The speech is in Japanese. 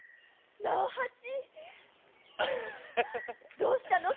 直八どうしたの？